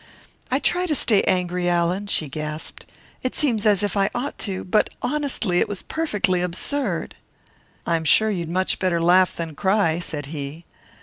"I try to stay angry, Allan!" she gasped. "It seems as if I ought to. But, honestly, it was perfectly absurd!" "I am sure you'd much better laugh than cry," said he.